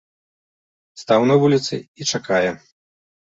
Стаў на вуліцы і чакае.